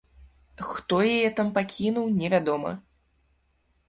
Хто яе там пакінуў, невядома.